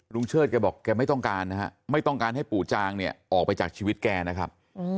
เชิดแกบอกแกไม่ต้องการนะฮะไม่ต้องการให้ปู่จางเนี่ยออกไปจากชีวิตแกนะครับ